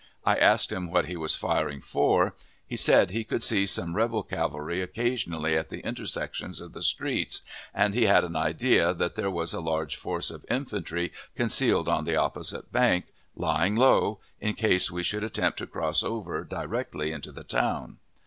I asked him what he was firing for; he said he could see some rebel cavalry occasionally at the intersections of the streets, and he had an idea that there was a large force of infantry concealed on the opposite bank, lying low, in case we should attempt to cross over directly into the town.